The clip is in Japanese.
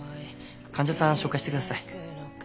患者さん紹介してください。